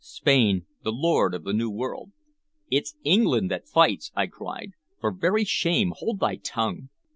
Spain the lord of the New World!" "It's England that fights!" I cried. "For very shame, hold thy tongue!"